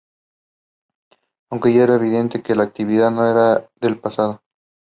Aunque ya era evidente que la actividad no era la del pasado.